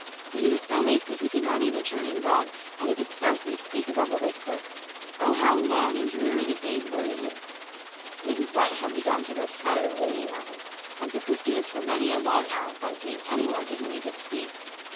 But he was so weak that he could not even turn in bed; and he could scarcely speak above a whisper. Oh, how long and dreary the days were to him! Mrs. White had begun to grow tired of waiting on him, and so Christie was for many a long hour without seeing any one to whom he could speak.